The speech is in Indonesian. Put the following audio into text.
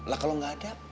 lah kalau gak ada reva